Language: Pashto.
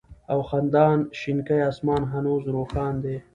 او خندان شينكى آسمان هنوز روښان دى